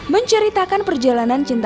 menceritakan perjalanan cinta